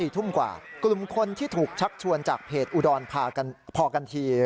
๔ทุ่มกว่ากลุ่มคนที่ถูกชักชวนจากเพจอุดรพาพอกันที